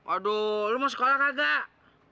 aduh lu mau sekolah nggak